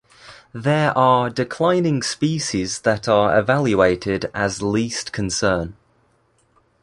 There are declining species that are evaluated as Least Concern.